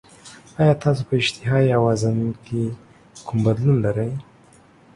ایا تاسو په اشتها یا وزن کې کوم بدلون لرئ؟